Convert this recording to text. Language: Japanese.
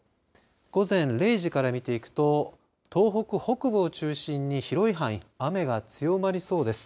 午前０時から見ていくと東北北部を中心に広い範囲、雨が強まりそうです。